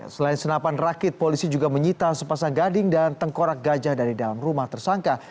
selain senapan rakit polisi juga menyita sepasang gading dan tengkorak gajah dari dalam rumah tersangka